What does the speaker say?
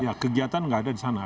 ya kegiatan nggak ada di sana